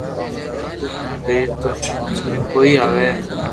پر ماري ٻيئر ني تو ھمج ۾ ڪوئي َآوي